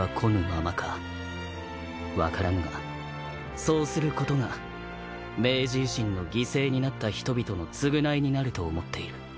分からぬがそうすることが明治維新の犠牲になった人々の償いになると思っている。